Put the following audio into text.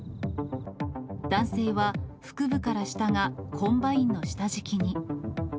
男性は腹部から下がコンバインの下敷きに。